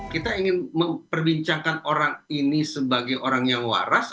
kita ingin memperbincangkan orang ini sebagai orang yang waras